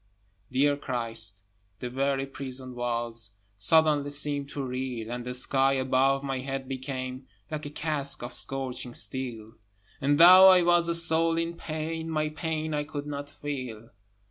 Dear Christ! the very prison walls Suddenly seemed to reel, And the sky above my head became Like a casque of scorching steel; And, though I was a soul in pain, My pain I could not feel.